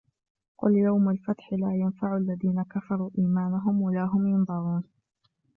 قل يوم الفتح لا ينفع الذين كفروا إيمانهم ولا هم ينظرون